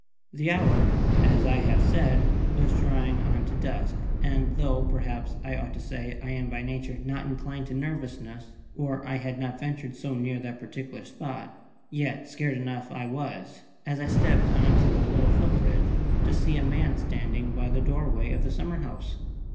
The hour, as I have said, was drawing on to dusk; and though, perhaps I ought to say, I am by nature not inclined to nervousness (or I had not ventured so near that particular spot), yet scared enough I was, as I stepped on to the little foot bridge, to see a man standing by the doorway of the summer house.